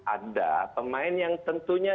ada pemain yang tentunya